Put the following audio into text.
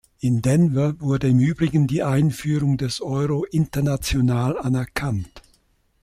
In Denver wurde im übrigen die Einführung des Euro international anerkannt.